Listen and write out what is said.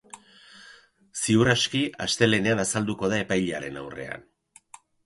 Ziur aski, astelehenean azalduko da epailearen aurrean.